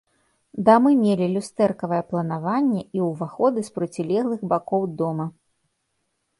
Дамы мелі люстэркавае планаванне і ўваходы з процілеглых бакоў дома.